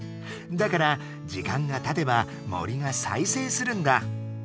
だから時間がたてば森が再生するんだ。